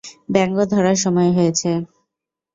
ব্যাঙ ধরার সময় হয়েছে!